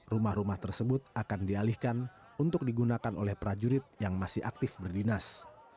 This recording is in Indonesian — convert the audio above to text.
rumah rumah tersebut akan dialihkan untuk digunakan oleh prajurit yang masih aktif berdinas